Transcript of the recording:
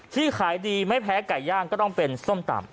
ที่ขายดีไม่แพ้ไก่ย่างก็ต้องเป็นส้มตำ